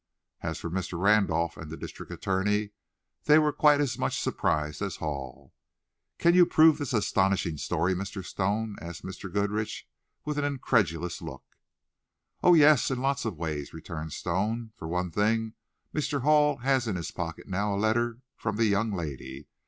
As for Mr. Randolph and the district attorney, they were quite as much surprised as Hall. "Can you prove this astonishing story, Mr. Stone?" asked Mr. Goodrich, with an incredulous look. "Oh, yes, in lots of ways," returned Stone. "For one thing, Mr. Hall has in his pocket now a letter from the young lady.